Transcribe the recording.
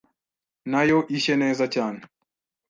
nayo ishye neza cyane